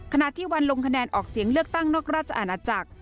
ขณะที่วันลงคะแนนออกเสียงเลือกตั้งนอกราชอาณาจักร